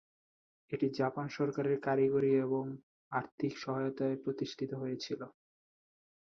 এটি জাপান সরকারের কারিগরি ও আর্থিক সহায়তায় প্রতিষ্ঠিত হয়েছিল।